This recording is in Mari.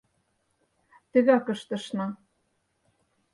Тыгак ыштышна.